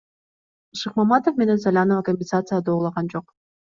Шыкмаматов менен Салянова компенсация доолаган жок.